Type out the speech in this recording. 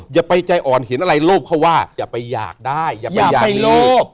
อย่าไปใจอ่อนเห็นอะไรโลภเขาว่าอย่าไปอยากได้อย่าไปอยากโลภ